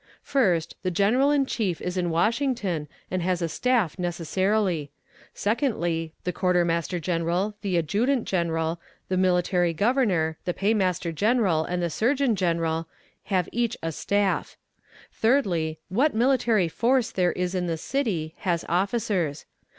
First, the general in chief is in Washington, and has a staff necessarily. Secondly, the quartermaster general, the adjutant general, the military governor, the paymaster general, and the surgeon general, have each a staff. Thirdly, what military force there is in the city has officers.